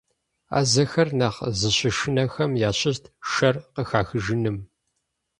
Ӏэзэхэр нэхъ зыщышынэхэм ящыщт шэр къыхэхыжыным.